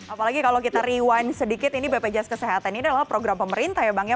apalagi kalau kita rewind sedikit ini bpjs kesehatan ini adalah program pemerintah ya bang ya